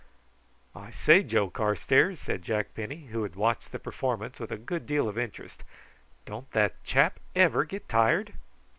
"I say, Joe Carstairs," said Jack Penny, who had watched the performance with a good deal of interest; "don't that chap ever get tired?"